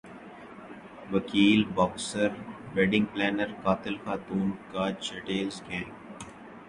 وکیل boxer wedding planner قاتل خاتون کا چڑیلز گینگ